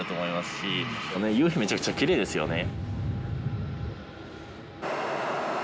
夕日めちゃくちゃきれいですよね。